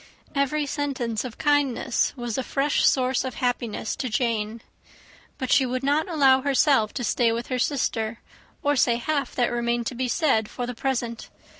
Every sentence of kindness was a fresh source of happiness to Jane. But she would not allow herself to stay with her sister, or say half that remained to be said, for the present.